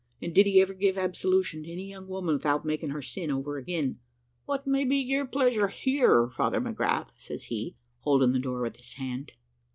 and did he ever give absolution to any young woman without making her sin over again? `What may be your pleasure here, Father McGrath?' says he, holding the door with his hand.